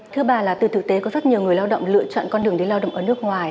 thứ ba là từ thực tế có rất nhiều người lao động lựa chọn con đường đi lao động ở nước ngoài